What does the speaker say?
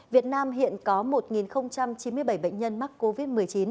việt nam hiện có một chín mươi bảy bệnh nhân mắc covid một mươi chín